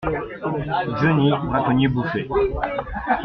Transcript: Johny, braconnier Bouffé.